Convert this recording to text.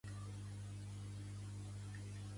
El meu fill es diu Noel: ena, o, e, ela.